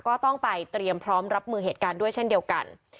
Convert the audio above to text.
ก็ต้องไปเตรียมพร้อมรับมือเหตุการณ์ด้วยเช่นเดียวกัน